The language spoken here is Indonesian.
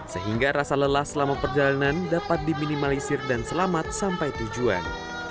sehingga rasa lelah selama perjalanan dapat diminimalisir dan selamat sampai tujuan